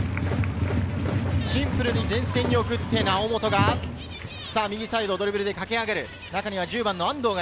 シンプルに前線に送って、猶本が右サイド、ドリブルで駆け上がる。